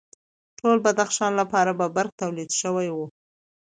ټول بدخشان لپاره به برق تولید شوی و